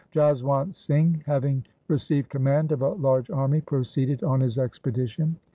Jaswant Singh having received command of a large army, proceeded on his expedition.